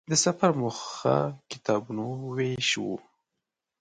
د سفر موخه کتابونو وېش و.